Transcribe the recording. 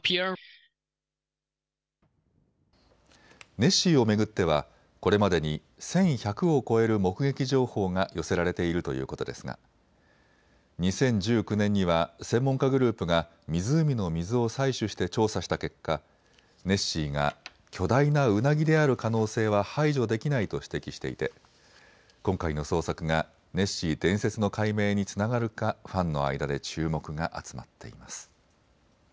ネッシーを巡ってはこれまでに１１００を超える目撃情報が寄せられているということですが、２０１９年には専門家グループが湖の水を採取して調査した結果、ネッシーが巨大なうなぎである可能性は排除できないと指摘していて今回の捜索がネッシー伝説の解明につながるかファンの間で注目が集まっています。